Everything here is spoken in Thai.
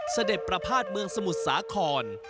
เสด็จประพาทเมืองสมุทรสาคร